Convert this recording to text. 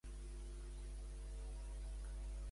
La Nit de la Poesia de Sant Cugat és sacsejada per Jordi Lara.